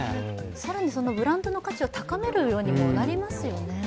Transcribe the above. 更に、ブランドの価値を高めるようにもなりますよね。